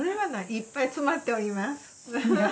いっぱい詰まっております。